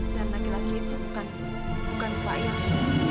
dan laki laki itu bukan pak yos